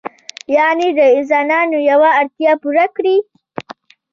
یعنې د انسانانو یوه اړتیا پوره کړي.